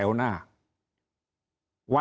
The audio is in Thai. เราเป็นประเทศที่ยืนยืนอยู่แถวหน้า